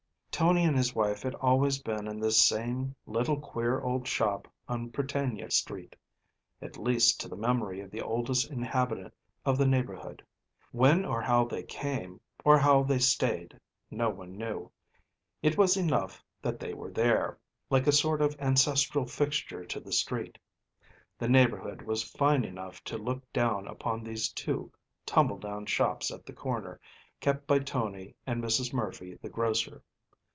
Tony and his wife had always been in this same little queer old shop on Prytania Street, at least to the memory of the oldest inhabitant in the neighbourhood. When or how they came, or how they stayed, no one knew; it was enough that they were there, like a sort of ancestral fixture to the street. The neighbourhood was fine enough to look down upon these two tumble down shops at the corner, kept by Tony and Mrs. Murphy, the grocer.